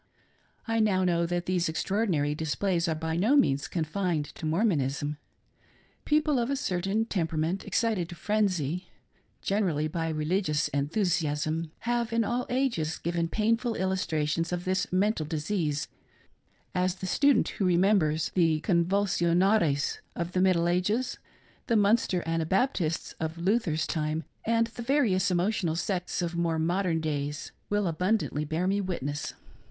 I now know that, these extraordinary displays are by no means confined to Mormonism. People of a certain temper ament, excited to frenzy — generally by religious enthusiasm — have in all ages given painful illustrations of this mental dis ease ; as the student who remembers the Convulsionnaires of the middle ages, the Munster Anabaptists of Luther's time, and the various emotional sects of more modern days, will abundantly bear me witness.